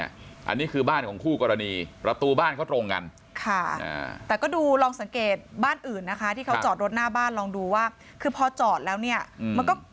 แล้วก็ดูลองสังเกตบ้านอื่นนะคะที่เขาจอดรถหน้าบ้านลองดูว่าคือพอจอดแล้วเนี่ยมันก็